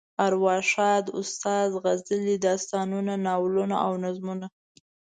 ارواښاد استاد غزلې، داستانونه، ناولونه او نظمونه.